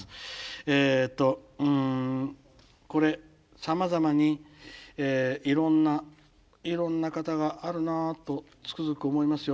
えっとうんこれさまざまにいろんないろんな方があるなとつくづく思いますよ。